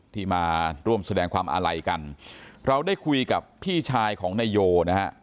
ที่มาร่วมแสดงความอาลัยกันเราได้คุยกับพี่ชายของนายโยนะฮะ